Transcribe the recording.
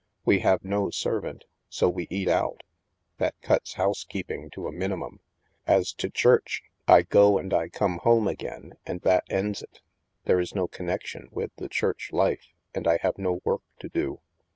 We have no servant, so we eat out ; that cuts housekeeping to a minimum. As to church, I go and I come home again, and that ends it ; there is no connection with the church life, and I have no work to do.